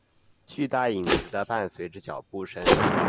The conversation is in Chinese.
巨大影子的伴随着脚步声。